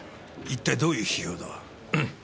一体どういう批評だ？